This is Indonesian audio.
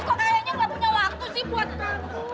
kok kayaknya nggak punya waktu sih buat kamu